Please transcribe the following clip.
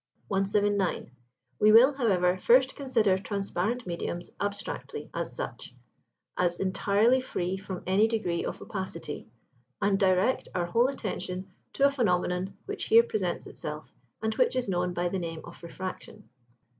179. We will, however, first consider transparent mediums abstractedly as such, as entirely free from any degree of opacity, and direct our whole attention to a phenomenon which here presents itself, and which is known by the name of refraction.